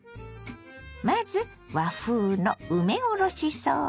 まず和風の梅おろしソース。